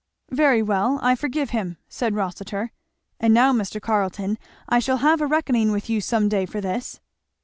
"Very well I forgive him," said Rossitur; "and now Mr. Carleton I shall have a reckoning with you some day for this."